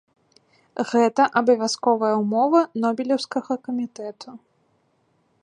Гэта абавязковая ўмова нобелеўскага камітэту.